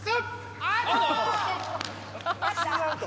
アウト！